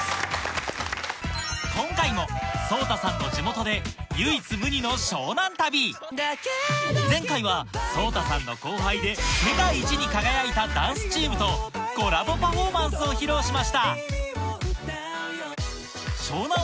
今回もＳＯＴＡさんの地元で前回はＳＯＴＡさんの後輩で世界一に輝いたダンスチームとコラボパフォーマンスを披露しました湘南ＦＩＲＳＴ